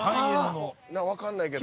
わかんないけど。